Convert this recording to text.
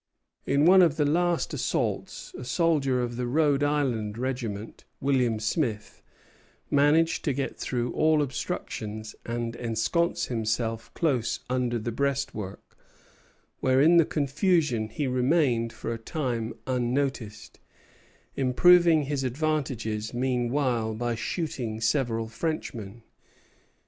In one of the last assaults a soldier of the Rhode Island regiment, William Smith, managed to get through all obstructions and ensconce himself close under the breastwork, where in the confusion he remained for a time unnoticed, improving his advantages meanwhile by shooting several Frenchmen.